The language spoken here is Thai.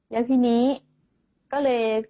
อย่างที่นี้ก็เลย